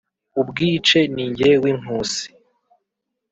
Ubwice ni jye w’inkusi*.